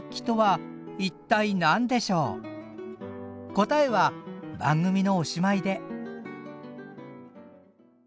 答えは番組のおしまいで。